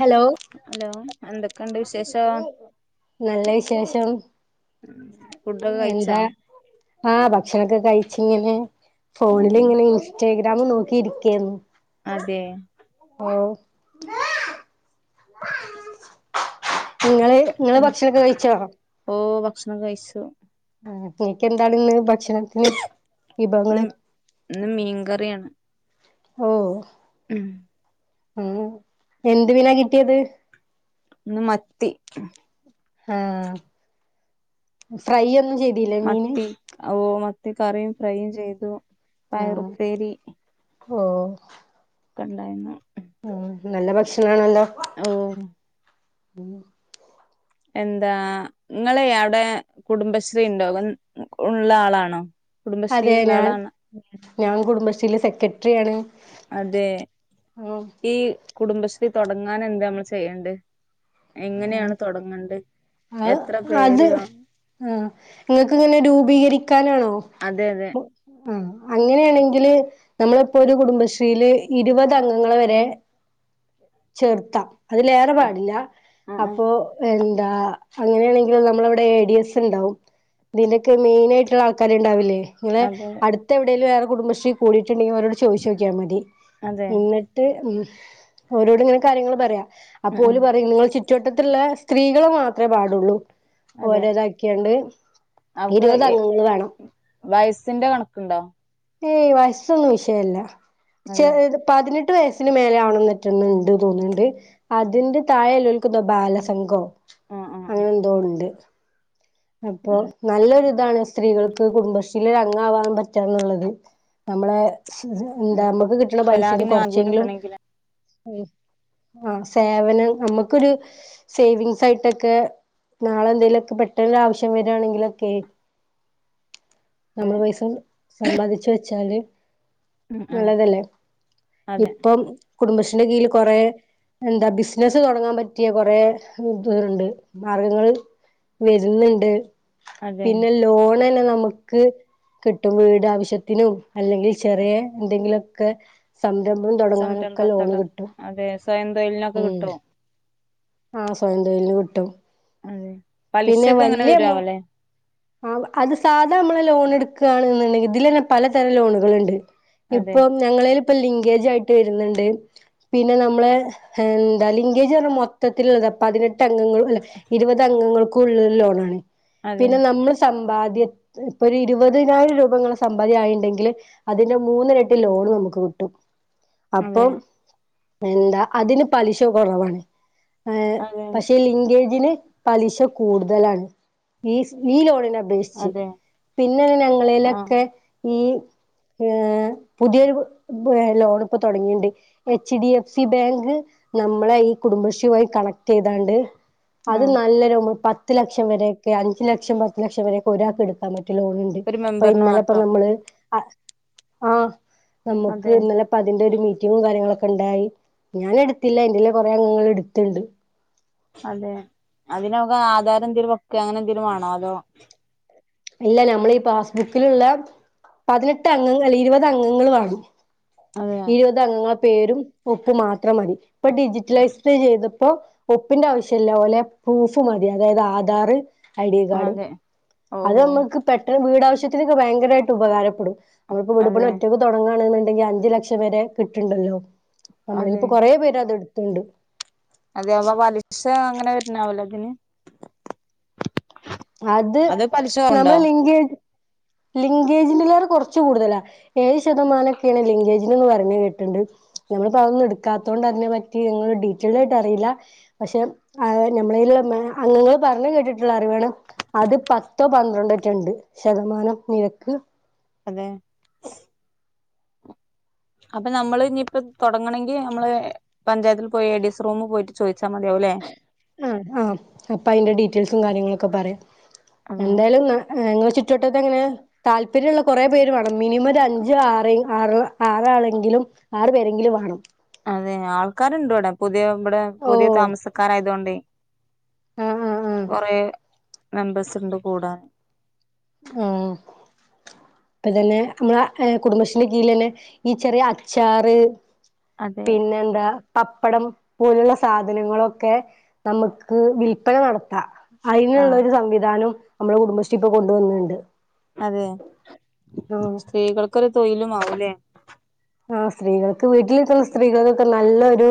Hello hello എന്തൊക്കെണ്ട് വിശേഷം? നല്ല വിശേഷം ഫുഡൊക്കെ കഴിച്ചാ എന്താ ആ ഭക്ഷണൊക്കെ കഴിച്ച് ഇങ്ങനെ ഫോണില്ങ്ങനെ ഇൻ സ്റ്റഗ്രാമും നോക്കിയിരിക്കേന്നു അതെ ആഹ് ഇങ്ങള് ഇങ്ങള് ഭക്ഷണൊക്കെ കഴിച്ചോ? ഓഹ് ഭക്ഷണം കഴിച്ചു ആ നിനക്കെന്താണ് ഇന്ന് ഭക്ഷണം ഇന്ന് മി മീൻകറിയാണ് ഓഹോ ഉം ഉം എന്ത് മീന കിട്ടിയത് ഇന്ന് മത്തി ആഹ ഫ്രൈ ഒന്നും ചെയ്ത് മത്തി ഓ മത്തി കറിയും ഫ്രൈയും ചെയ്തു ആഹ് പയറുപ്പേരി ഓ ഒക്കെ ഇണ്ടായിരുന്നു ഉ നല്ല ഭക്ഷണ ആണല്ലോ ഓ മ്മ് എന്താ നിങ്ങളെ അവിടെ കുടുംബശ്രീ ഉണ്ടോ ഉള്ള ആളാണോ അതെ കുടുംബശ്രീയിലുള്ള ഞാൻ ആളാണ് ഞാൻ കുടുംബശ്രീയിലെ സെക്രട്ടറിയാണ് അതെ ഉം ഈ കുടുംബശ്രീ തുടങ്ങാൻ എന്താ നമ്മള് ചെയ്യേണ്ട് എങ്ങനെയാണ് തുടങ്ങണ്ടെ ആ അത് ആ നിങ്ങൾക്ക് ഇങ്ങനെ രൂപീകരിക്കാനാണോ അതെ അതെ ആ അങ്ങനെയാണെങ്കില് നമ്മളിപ്പോ ഒരു കുടുംബശ്രീയില് ഇരുപത് അംഗങ്ങളെ വരെ ചേർത്താം അതിലേറെ പാടില്ല ആഹ് ആഹ് അപ്പൊ എന്താ അങ്ങനെയാണെങ്കിൽ നമ്മളിവിടെ എ ഡി എസ് ഉണ്ടാവും ഇതിന്റെക്കെ മെയിൻ ആയിട്ടുള്ള ആൾക്കാരു ഉണ്ടാവില്ലേ നിങ്ങൾ അതെ അടുത്ത് എവിടേലും വേറെ കുടുംബശ്രീ കൂടിയിട്ടുണ്ടെങ്കിൽ ഒരോട് ചോദിച്ചു നോക്കിയാൽ മതി അതെ ന്ന ട്ട് ഓരോട് ഇങ്ങനെ കാര്യങ്ങള് പറയാ അപ്പ ആഹ് ഓൽ ആഹ് പറയും നിങ്ങള് ചു റ്റുവട്ടത്തുള്ള സ്ത്രീകൾ മാത്ര പാടുള്ളൂ ഓരോതാക്കിയാണ്ട് അപ്പൊ ഇരുപത് ഈ അംഗങ്ങൾ വേണം വയസിന്റെ കണക്കുണ്ടോ ഏയ് വയസ്സൊന്നും വിഷയല്ല ശെ അതെ പതിനെട്ട് വയസ് ന് മേലെ ആവണം ന്നെറ്റെണ്ട് തോന്നുന്നുണ്ട് അതിന്റെ താഴെ ഇള്ളോൽക്കും ന്തോ ബാലസംഘോ ആഹ് ആഹ് അങ്ങനെ എന്തോ ഉണ്ട് അപ്പൊ നല്ലൊരു ഇതാണ് സ്ത്രീകൾക്ക് കുടുംബശ്രീല് ഒരു അംഗാവാൻ പറ്റാ ന്നുള്ളത് നമ്മളെ [unintelligible] എന്താ ആഹ് നമ്മുക്ക് കിട്ടണ പൈസന്ന് തലാഖിന് ആനുകൂല്യം കൊറച്ചെങ്കിലും കിട്ടണെങ്കില് ആ സേവനം നമ്മുക്കൊരു സേവിങ്സ് ആയിട്ടൊക്കെ നാളെന്തേലോക്കെ പ ട്ടന്നു ആവശ്യം വരാണെങ്കിലൊക്കെ അതെ നമ്മൾ പൈസ സമ്പാദിച്ചു വെച്ചാല് ഉം ആഹ് നല്ലതല്ലേ അതെ ഇപ്പം കുടുംബശ്രീന്റെ കീഴിൽ കുറെ എന്താ ബിസിനസ്സ് തോടങ്ങാൻ പറ്റിയ കുറെ തുണ്ട് മാർഗങ്ങൾ വരുന്നുണ്ട് അതെ പിന്നെ ലോണ ന്നെ നമു ക്ക് കിട്ടും വീട് ആവശ്യത്തിനും അല്ലെങ്കിൽ ചെറിയ എന്തെങ്കിലോക്കെ സംരംഭം തോടങ്ങാനൊക്കെ ലോണ് സംരംഭത്തോടെ കിട്ടും അതെ സ്വയം തൊയിലിനൊക്കെ കിട്ടോ ആഹ് സ്വയം തൊഴിലിന് കിട്ടും അതെ പലിശൊക്കെ ങ്ങനെ വരാവലെ ആ അത് സാധാ മ്മള് ലോൺ ടുക്കാന്നുണ്ടെങ്കിൽ ഇതില് തന്നെ പലതരം ലോണുകളുണ്ട് അതെ ഇപ്പൊ ഞങ്ങളെയിലിപ്പ ലിങ്കേജ് ആയിട്ട് വരുന്നുണ്ട് പിന്നെ മ്മളെ എന്താ ലിംഗേജ പറഞ്ഞ മൊത്തത്തിലുള്ളത് പതിനെ ട്ട ഗങ്ങൾ അല ഇരുപത് അംഗങ്ങൾക് ള്ള ലോണാണ് അതെ പിന്നെ നമ്മൾ സമ്പാദ്യ ഇപ്പൊ ഒരു ഇരുപതിനായിരം രൂപങ്ങളെ സമ്പാദ്യം ആയിണ്ടെങ്കിൽ അതിന്റെ മൂന്നരട്ടി ലോണ് നമുക്ക് കിട്ടും. അതെ അപ്പം എന്താ അതിന് പലിശ കൊറവാണ്. ഏ അതെ പക്ഷെ ലിങ്കേജിന് പലിശ കൂടുതലാണ് ഈസ് ഈ ലോണിന് അപേക്ഷിച്ച് അതെ പിന്നെ ആഹ് ഞങ്ങളേലൊക്കെ ഈ ഏ പുതിയൊരു [unintelligible] ലോൺ ഇപ്പൊ തുടങ്ങിണ്ട്. H D F C bank നമ്മളെ ഈ കുടുംബശ്രീമായി കണക്ട് യ്താണ്ട് അത് ആഹ് നല്ല രോ പത്ത് ലക്ഷം വരേക്കെ അഞ്ച് ലക്ഷം, പത്ത് ലക്ഷം വരേക്കെ ഒരാക്ക് എടുക്കാൻ പറ്റിയ ലോണ് ഒരു ഇപ്പ മെമ്പറിന് ഇന്നലെപ്പം മാത്രം നമ്മള് അ ആ നമുക്ക് അതെ ഇന്നലെ അപ്പ അതിന്റെ ഒരു മീറ്റിങ്ങും കാര്യങ്ങളൊക്കെ ഇണ്ടായി ഞാൻ എടുത്തില്ല എന്റെല് കൊറെ അംഗങ്ങൾ ഇട്ത്ത്ണ്ട്. അതെ അതിനൊക്കെ ആധാരം എന്തേലും വെക്ക അങ്ങനെ എന്തെലും വാണോ അതോ? ഇല്ല നമ്മൾ ഈ പാസ് ബുക്ക്ല്ള്ള പതിനെട്ട് അംഗങ്ങൾ അല്ലെ ഇരുപത് അംഗങ്ങള് വേണം. അതെ ഇരുപത് അംഗങ്ങളെ പേരും ഒപ്പ് മാത്രം മതി ഇപ്പ ഡിജിറ്റലൈസ്ഡ് ചെയ്തപ്പോ ഒപ്പിന്റെ ആവശ്യല്ല ഓലെ പ്രൂഫ് മതി അതായത് ആധാർ, ഐ ഡി കാർഡ് അതെ ഓ അത് നമ്മക്ക് പെട്ടെന്ന് വീടാവശ്യത്തിനൊക്കെ ഭയങ്കരായിട്ട് ഉപകാരപ്പെടും. നമ്മള്പ്പോ വീട് പണി അതെ ഒറ്റക്ക് തൊടങ്ങാണ് ന്ന്ണ്ടെങ്കിൽ അഞ്ച് ലക്ഷം വരെ കിട്ട്ണ്ടല്ലോ അതെ നമ്മളിപ്പോ കൊറേ പേര് അത് എടുത്തുണ്ട്. അതെ വ വലിശ അങ്ങനെ വരുന്നാവലോതിന്? അത് പലിശ ഉണ്ടോ നമ്മളെ ലിംഗേ ലിംഗേജ്ന്റെലേറെ കൊറച്ച് കൂടുതലാ. ഏഴ് ശതമാനക്കെയാണ് ലിംഗേജിന് പറഞ്ഞേ കേട്ട്ണ്ട്. നമ്മളിപ്പ അതൊന്നും എട്ക്കാത്തോണ്ട് അതിനെ പറ്റി ഇങ്ങനെ ഡീറ്റെയിലായിട്ട് അറിയില്ല. പക്ഷെ അഹ് നമ്മളേല്ള്ള മ അംഗങ്ങള് പറഞ്ഞ് കേട്ടിട്ടുള്ള അറിവാണ്. അത് പത്തോ പന്ത്രണ്ടോറ്റെ ഇണ്ട് ശതമാനം നിരക്ക്. അതെ അപ്പ നമ്മള് ഇഞ്ഞിപ്പ തൊടങ്ങണങ്കി നമ്മള് പഞ്ചായത്തിൽ പോയി എഡീസ് റൂമിൽ പോയിട്ട് ചോദിച്ചാൽ മതിയാവുല്ലേ? ആ ആ അപ്പ അയിന്റെ ഡീറ്റെയിൽസും കാര്യങ്ങളൊക്കെ പറയാം അതെ എന്തായാലും ന ഏ ഇങ്ങളെ ചുറ്റുവട്ടത്തെ എങ്ങനെ? താല്പര്യള്ള കൊറെ പേര് വേണം മിനിമം ഒരു അഞ്ച് ആറേ ആറ ആറാണെങ്കിലും ആറ് പേരെങ്കിലും വാണം അതെ ആൾക്കാര്ണ്ട് ഇവടെ പുതിയ ഇവടെ ഓ പുതിയ താമസക്കാരായതോണ്ടേ. ആഹ് ആഹ് ആഹ് കൊറേ മെമ്പേഴ്സ്ണ്ട് കൂടാൻ ഉം ഇപ്പ തന്നെ നമ്മള ഏ കുടുംബശ്രീന്റെ കീഴിലന്നെ ഈ ചെറിയ അച്ചാറ് അതെ പിന്നെന്താ? പപ്പടം പോലുള്ള സാധനങ്ങളൊക്കെ തമുക്ക് വിൽപ്പന നടത്താ. അയിന്ള്ള ആഹ് ഒരു സംവിധാനോം നമ്മളെ കുടുംബശ്രീ ഇപ്പൊ കൊണ്ടുവന്ന്ണ്ട്. അതെ ആഹ് സ്ത്രീകൾക്കൊരു തൊഴിലുമാവുംല്ലേ? ആ സ്ത്രീകൾക്ക് വീട്ടിലിക്കുന്ന സ്ത്രീകകക്ക് നല്ലൊരു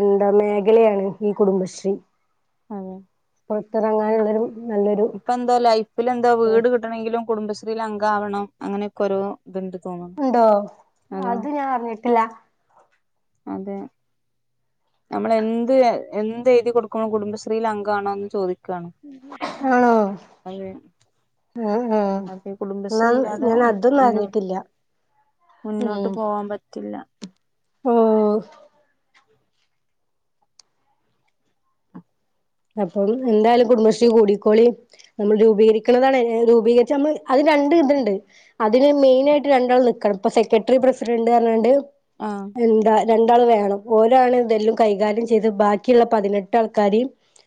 എന്താ മേഖലയാണ് ഈ കുടുംബശ്രീ. അതെ പൊറത്തറങ്ങാനുള്ളരു ഇപ്പ എന്താ ലൈഫിൽ എന്താ വീട് കിട്ടണങ്കിലും കുടുംബശ്രീൽ അംഗ ആവണം അങ്ങനെയൊക്കെ ഓരോ ഇത്ണ്ട് തോന്ന. ഇണ്ടോ? അത് ഞാൻ അറിഞ്ഞിട്ടില്ല. അതെ നമ്മള് എന്ത് എന്ത് എഴുതി കൊടുക്കണോ കുടുംബശ്രീയില അംഗമാണോന്ന് ചോദി ആണോ അതെ ആ ആ അത് കുടുംബശ്രീ എന്ന ഇല്ലാതെ ഞാൻ അതൊന്നും മുന്നോ അറിഞ്ഞിട്ടില്ല. മുന്നോട്ട് പോവാൻ പറ്റില്ല. ഓ അപ്പം എന്തായാലും കുടുംബശ്രീ കൂടിക്കോളി. നമ്മൾ രൂപീകരിക്കുന്നതാണ് രൂപീകരിച്ച നമ്മള് അത് രണ്ട് വിധം ഉണ്ട്. അതിന് മെയിന ആയിട്ട് രണ്ടാള് നിക്കണം ഇപ്പൊ സെക്രട്ടറി പ്രസിഡന്റ് പറഞ്ഞ്ങ്ങണ്ട്. ആഹ എന്താ രണ്ടാള് വേണം ഓരോണ് ഇതെല്ലാം കൈകാര്യം ചെയ്ത് ബാക്കിയുള്ള പതിനെട്ട് ആൾക്കാര്.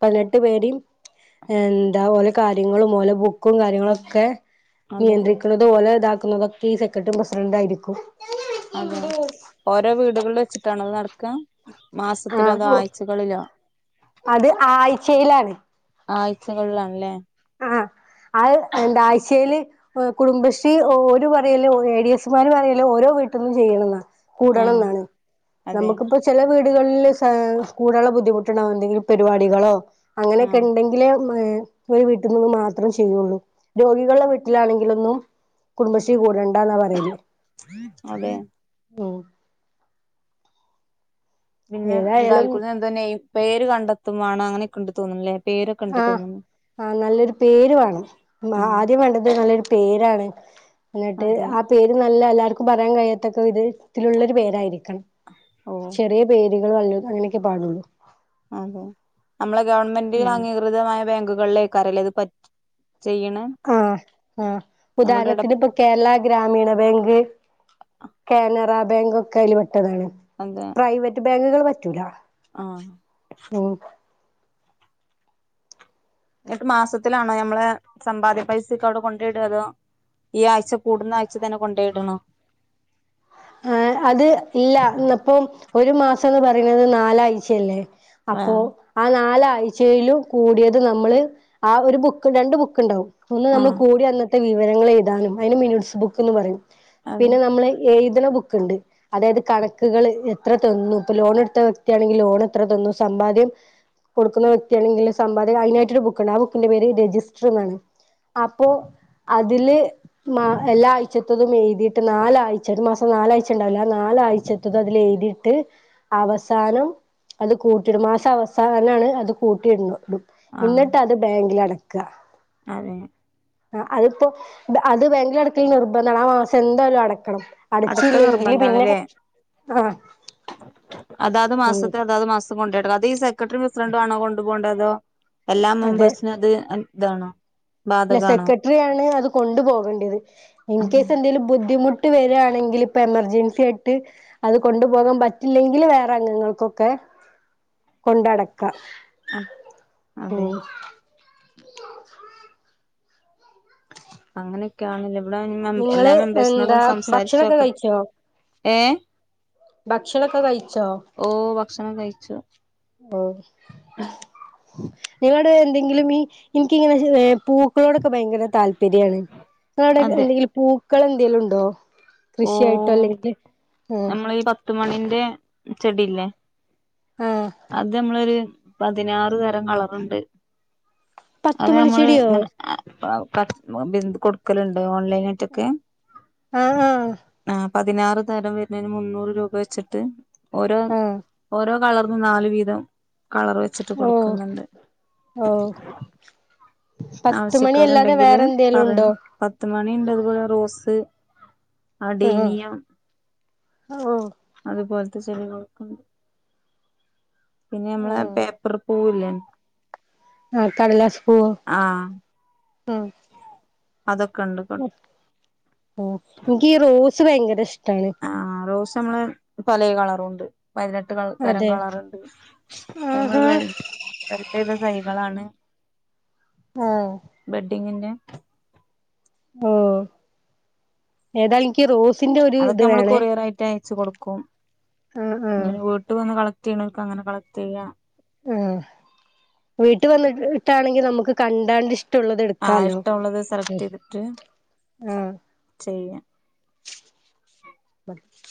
പതിനെട്ട് പേരും എന്താ ഓലോ കാര്യങ്ങളും ഓലെ ബുക്കും കാര്യങ്ങളൊക്കെ. അതെ നിയന്ത്രിക്കുന്നതും ഒലെ ഇതാക്കുന്നതുംക്കെ ഈ സെക്രട്ടറിയും പ്രസിഡന്റ് ആയിരിക്കും. അതെ ഓരോ വീടുകളിൽ വെച്ചിട്ടാനോ ഇത് നടക്ക. മാസത്തിലോ അതോ ആഹ് ആഴ്ചകളിലോ? അത് ആഴ്ചയിലാണ് ആഴ്ചകള്ളിലണ്ല്ലേ. ആഹ അത് എന്താ ആഴ്ചയില്. കുടുംബശ്രീ ഒരു പറയല്ലേ എ ഡി എസ്മാർ പറയല്ലോ ഓരോ വീട്ടിൽ നിന്നും ചെയ്യണെന്നാണ്. കൂടണം ആഹ് എന്നാണ് അതെ നമുക്കിപ്പം ചില വീടുകളിൽ കൂടുള്ള ബുദ്ധിമുട്ടുണ്ടോ എന്തെങ്കിലും പരിപാടികളോ അങ്ങനെയൊക്കെ ആഹ് ഉണ്ടെങ്കിലെ ഒരു വീട്ടിൽ നിന്ന് മാത്രം ചെയ്യുള്ളൂ രോഗികളുടെ വീട്ടിലാണെങ്കിലൊന്നും. കുടുംബശ്രീ കൂടണ്ട എന്നാ പറയല്. അതെ ഓ പിന്നെ ഏതായാലും എന്താൽക്കൂന്ന് എന്ത തന്നെഈ പേര് കണ്ടെത്തും വേണം അങ്ങനെയൊക്കെൊണ്ട് തോന്നൂലേ ആഹ ആ നല്ലൊരു പേര് വേണം. ആഹ് ആദ്യം വേണ്ടത് നല്ലൊരു പേരാണ് എന്നിട്ട് അതെ ആ പേര് നല്ല എല്ലാവർക്കും പറയാൻ കഴിയാത്തക്കെ വിധത്തിലുള്ളൊരു പേരായിരിക്കണം. ഓഹ് ചെറിയ പേരുകൾ വല്ല അങ്ങനെയൊക്കെ പാടുള്ളൂ. അതെ നമ്മളെ ഗവൺമെന്റി ഉം അംഗീകൃതമായ ബാങ്കുകളിൽലെകരം അല്ലേ ഇത്. ചെയ്യണെ ആഹ ആഹ് നമ്മളുടെ ഇട ഉദാഹരണത്തിന് ഇപ്പം. കേരള ഗ്രാമീണ ബാങ്ക്. കാനറ ബാങ്ക്. ഒക്കെ അതില് പെട്ടതാണ്. പ്രൈവറ്റ് ബാങ്കുകൾ പറ്റൂല. ആഹ ഓ എന്നിട്ട് മാസത്തിലാണോ ഞമ്മെ സമ്പാദ്യ പൈസൊക്കെ അവിടെ കൊണ്ട അതോ ഈ ആഴ്ച കൂടുന്ന ആഴ്ച തന്നെ കൊണ്ടോയിടണോ? ആ അത് ഇല്ല ഇപ്പം ഒരു മാസന്ന് പറയുന്നത് നാലാഴ്ചയല്ലേ. അപ്പേ ആഹ് ആ നാലാഴ്ചയിലും കൂടിയത് നമ്മള്. ആ ഒരു ബുക്ക് രണ്ട് ബുക്ക് ഉണ്ടാവും. ഒന്ന് നമ്മൾ ആഹ് കൂടി അന്നത്തെ വിവരങ്ങൾ എഴുതാനും. അതിന് മിനോട്സ് ബുക്ക് എന്ന് പറയും. അതെ പിന്നെ നമ്മള് ബുക്ക് ഉണ്ട്. അതായത് കണക്കുകൾ എത്ര തന്നും. ഇപ്പൊ ലോൺ എടുത്ത വ്യക്തിയാണെങ്കിൽ ലോൺ എത്ര തന്നു. സമ്പാദ്യം കൊടുക്കുന്ന വ്യക്തിയാണെങ്കിൽ സമ്പാദ്യം അതിനായിട്ടൊരു ബുക്കുണ്ട്. ആ ബുക്കിന്റെ പേര് രജിസ്റ്റർ എന്നാണ്. അപ്പേ അതില് എല്ലാ ആഴ്ചത്തതും എഴുതിയിട്ട് നാലാഴ്ചയുടെ. നാലാഴ്ച ഉണ്ടാവില്ലോ ആ നാലാഴ്ചത്തത് അതിൽ എഴതിയിട്ട്. അവസാനം അത് കൂട്ടിയിടും. മാസ അവസാനമാണ് അത് കൂട്ടിയിടുന്നത്. എന്നിട്ട് അത് ബാങ്കിൽ അടക്ക അത ആഹ് അതിപ്പോ അത് ബേങ്ക്ലടക്കൽ നിർബന്ധമാണ് ആഹ് മാസം എന്തായാലും അടക്കണം അടക്കൽ അടച്ചല്ലെങ്കില് പിന്നെ നിർബന്ധാണ്ല്ലേ ആഹ് അതാത് ഉം മാസത്തെ അതാത് മാസം കൊണ്ടായിടണോ അത് ഈ സെക്രട്ടറി പ്രസിഡന്റ് ആണോ കൊണ്ടു പോകേണ്ട അതോ എല്ലാ അതെ മെമ്പേഴ്സിനും അത് ഇതാണോ? ല്ല ബാധകാണോ സെക്രട്ടറിയാണ് അത് കൊണ്ടു പോകേണ്ടത് ഇൻ അതെ കേസ് എന്തെങ്കിലും ബുദ്ധിമു ട്ട് വരണെങ്കിൽ ഇപ്പൊ എമർജൻസി ആയിട്ട് അത് കൊണ്ടുപോകാൻ പറ്റില്ലെങ്കില് വേറെ അംഗങ്ങൾക്കൊക്കെ കൊണ്ടടക്ക ഉം അതെ അങ്ങനെയൊക്കെയാണല്ലേ ഇവിടെ എല്ലാ നിങ്ങള് മെമ്പേഴ്സിനോടും എന്താ ഭക്ഷണൊക്കെ സംസാരിച്ചോക്ക കഴിച്ചോ ഏഹ് ഭക്ഷണൊക്കെ കഴിച്ചോ? ഓഹ് ഭക്ഷണം കഴിച്ചു ഓഹ് ഉം ഇവിടെ എന്തെങ്കിലും ഈ എനിക്കിങ്ങനെ പൂക്കളോടൊക്കെ ഭയങ്കര താല്പര്യാണ് നിങ്ങളവിടെ അതെ എന്തെങ്കിലും പൂക്കൾ എന്തെലുണ്ടോ? ഓ കൃഷിയായിട്ടോ അല്ലെങ്കിൽ ഉം പത്തുമണിന്റെ ചെടില്ലേ ആഹ് അത് നമ്മളൊരു പതിനാറ് തരം കളറുണ്ട് അത് നമ്മള് പത്തുമണിച്ചെടിയോ ങ്ങനെ [unintelligible] കൊടുക്കലുണ്ട് ഓൺലൈനാ ആഹ് ആഹ് ആഹ് പതിനാറ് തരം വരുന്നതിന് മുന്നൂറ് രൂപ വെച്ചിട്ട് ഓരോ ആ ഓരോ കളറ് നാലു വീതം കളർ വെച്ചിട്ട് ഓ കൊടുക്കുന്ന്ണ്ട് ഓ പത്ത് മണി അല്ലാതെ ആവശ്യക്കാരുണ്ടെങ്കില് വേറെ എന്തേലും ഉണ്ടോ പറയണം പത്ത് മണി ഇണ്ട് അതുപോലെ റോസ് ആഹ് അടീനിയം ഓ അതുപോൽത്തെ ചെടികൾ പിന്നെ നമ്മളെ ആഹ് പേപ്പർ പോവില്ലേ ആഹ് കടലാസ്പ്പൂ ആഹ് ആഹ് അതൊക്കെണ്ട് ഓഹ് ഇൻക്ക് ഈ റോസ് ഭയങ്കര ഇഷ്ടാണ് ആഹ് റോസ് നമ്മളേ പലേ കളറുണ്ട് പതിനെട്ട് കള തരം അതെ കളറ് ആഹാ [unintelligible] ബെഡെയ്ത തൈകളാണ് ആഹ് ബെഡ്ഡിങ്ങിന്റെ ഓഹ് ഏതാലു ഇക്ക് റോസിന്റെ ഒരു ഇത് വേണേ റായിട്ട് അയച്ചു കൊടുക്കും അ ആഹ് ഇവിട വന്ന് കളക്ട് ചെയണോൽക്ക് അങ്ങനെ കളക്ട് ചെയ്യ ഉം വീട്ട് വന്നിട്ടിട്ടാണെങ്കിൽ നമുക്ക് കണ്ടാണ്ട് ഇഷ് ഷ്ടള്ളത് ആ എടുക്കാലോ ഇഷ്ടമുള്ളത് സെലക്ട് ഉം ആഹ് ചെയ്യാൻ [unintelligible]